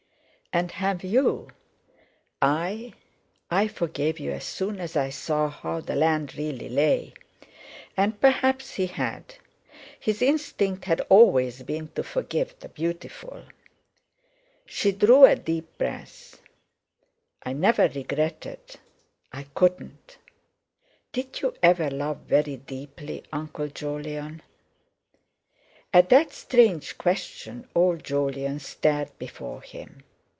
"And have you?" "I? I forgave you as soon as I saw how the land really lay." And perhaps he had; his instinct had always been to forgive the beautiful. She drew a deep breath. "I never regretted—I couldn't. Did you ever love very deeply, Uncle Jolyon?" At that strange question old Jolyon stared before him.